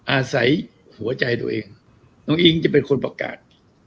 อาศัยหัวใจตัวเองน้องอิ๊งจะเป็นคนประกาศ